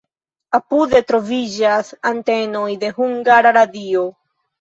Apude troviĝas antenoj de Hungara Radio.